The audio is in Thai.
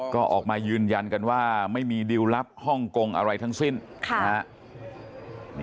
ก็ออกมายืนยันกันว่าไม่มีดิวลลับฮ่องกงอะไรทั้งสิ้นนะฮะ